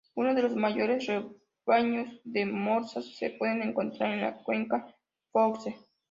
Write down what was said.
Uno de los mayores rebaños de morsas se pueden encontrar en la Cuenca Foxe.